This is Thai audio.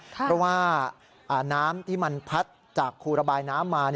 เพราะว่าน้ำที่มันพัดจากคูระบายน้ำมา